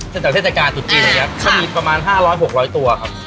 จากเทศกาลตรุษจีนอย่างนี้ก็มีประมาณ๕๐๐๖๐๐ตัวครับ